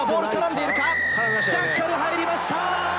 ジャッカル入りました！